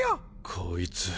こいつ。